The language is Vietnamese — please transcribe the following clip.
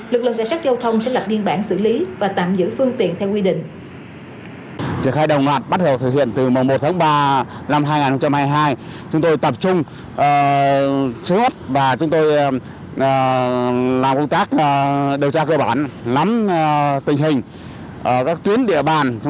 lực lượng cảnh sát giao thông sẽ lập biên bản xử lý và tạm giữ phương tiện theo quy định